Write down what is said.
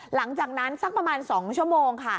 หลังจากนั้นสักประมาณ๒ชั่วโมงค่ะ